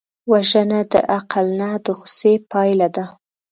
وژنه د عقل نه، د غصې پایله ده